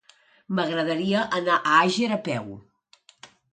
M'agradaria anar a Àger a peu.